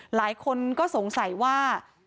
หลายคนก็สงสัยว่า